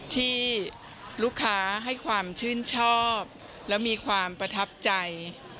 ที่ลูกค้าให้ความชื่นชอบและมีความประทับใจ